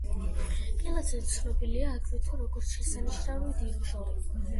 კილაძე ცნობილია, აგრეთვე, როგორც შესანიშნავი დირიჟორი.